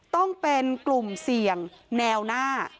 ต้องเป็นกลุ่มเสี่ยงแนวหน้า